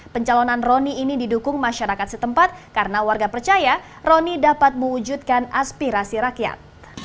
pencalonan roni ini didukung masyarakat setempat karena warga percaya roni dapat mewujudkan aspirasi rakyat